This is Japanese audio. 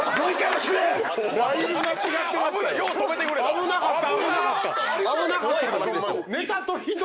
危なかった。